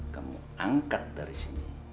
kamu angkat dari sini